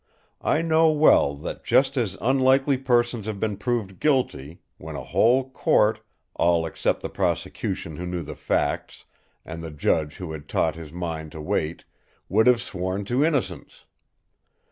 I know well that just as unlikely persons have been proved guilty, when a whole court—all except the prosecution who knew the facts, and the judge who had taught his mind to wait—would have sworn to innocence.